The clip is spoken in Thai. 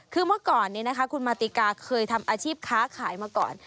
คือเมื่อก่อนคุณมาติกาเคยทำอาชีพค้าขายมาก่อน